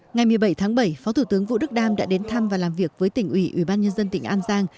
ngày một mươi bảy tháng bảy phó thủ tướng vũ đức đam đã đến thăm và làm việc với tỉnh ủy ubnd tỉnh an giang